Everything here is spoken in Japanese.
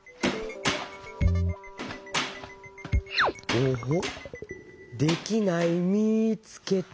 オホッできないみつけた。